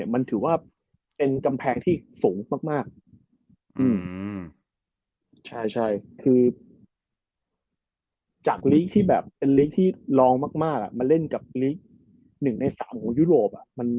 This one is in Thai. มันถือว่าเป็นกำแพงที่สูงมากจากลีกที่ร้องมากมาเล่นกับลีก๑ใน๓ของยุโรป